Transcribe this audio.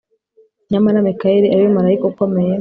nyamara mikayeli ari we marayika ukomeye